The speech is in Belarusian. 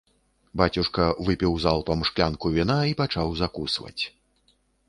Бацюшка выпіў залпам шклянку віна і пачаў закусваць.